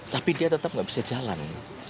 tapi dia tetap nggak bisa jalan